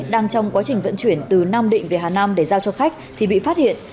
đang trong quá trình vận chuyển từ nam định về hà nam để giao cho khách thì bị phát hiện